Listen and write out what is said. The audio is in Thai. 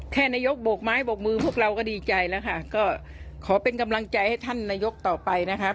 นายกโบกไม้บกมือพวกเราก็ดีใจแล้วค่ะก็ขอเป็นกำลังใจให้ท่านนายกต่อไปนะคะ